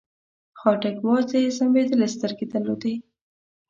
خاټک وازې ځمبېدلې سترګې درلودې.